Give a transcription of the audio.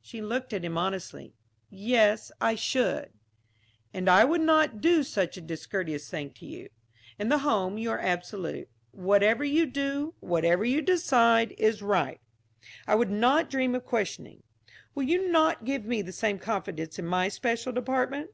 She looked at him honestly. "Yes, I should." "And I would not do such a discourteous thing to you. In the home you are absolute. Whatever you do, whatever you decide, is right. I would not dream of questioning. Will you not give me the same confidence in my special department?"